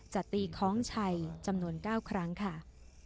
จะตีคล้องชัยจำนวน๙ครั้งค่ะ